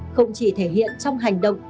không chỉ thể hiện trong hành động